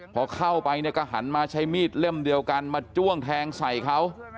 พอเข้าไปเนี่ยก็หันมาใช้มีดเล่มเดียวกันมาจ้วงแทงใส่เขา